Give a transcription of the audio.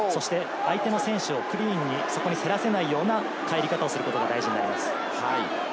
そして相手の選手をクリーンに競らせないような入り方をすることが大事です。